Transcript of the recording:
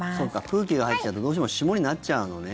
空気が入っちゃうとどうしても霜になっちゃうのね。